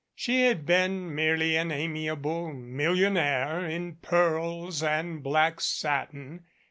She had been merely an amiable million aire, in pearls and black satin.